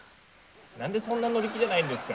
なんでそんな乗り気じゃないんですか？